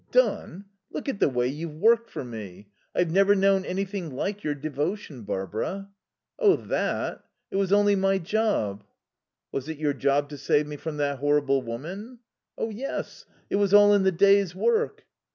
"Done? Look at the way you've worked for me. I've never known anything like your devotion, Barbara." "Oh, that! It was only my job." "Was it your job to save me from that horrible woman?" "Oh, yes; it was all in the day's work."